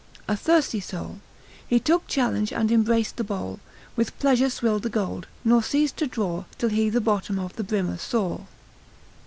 ———a thirsty soul; He took challenge and embrac'd the bowl; With pleasure swill'd the gold, nor ceased to draw Till he the bottom of the brimmer saw.